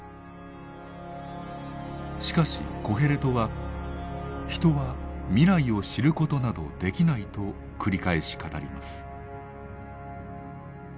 しかしコヘレトは「人は未来を知ることなどできない」と繰り返し語ります。